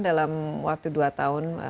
dalam waktu dua tahun